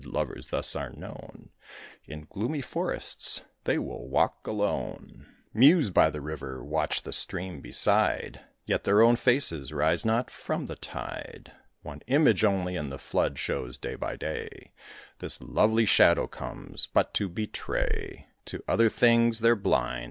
Lovers thus are known: In gloomy forests they will walk alone; Muse by the river, watch the stream beside, Yet their own faces rise not from the tide; One image only in the flood shows day by day; This lovely shadow comes, but to betray: To other things they're blind.